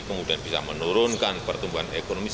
kemudian bisa menurunkan pertumbuhan ekonomi